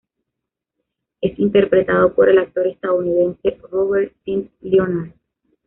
Es interpretado por el actor estadounidense Robert Sean Leonard.